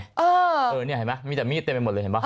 เออนี่เห็นไหมมีแต่มีดเต็มไปหมดเลยเห็นป่